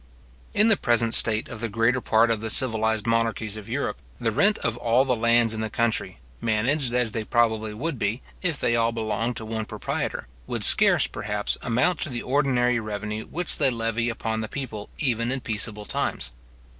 In the present state of the greater part of the civilized monarchies of Europe, the rent of all the lands in the country, managed as they probably would be, if they all belonged to one proprietor, would scarce, perhaps, amount to the ordinary revenue which they levy upon the people even in peaceable times.